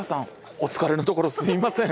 お疲れのところすいません。